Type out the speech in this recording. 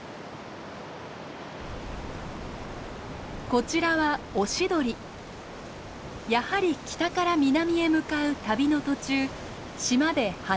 こちらはやはり北から南へ向かう旅の途中島で羽を休めます。